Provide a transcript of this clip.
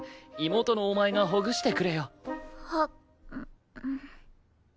妹のお前がほぐしてくれよ。は。